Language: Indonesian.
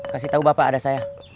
kasih tahu bapak ada saya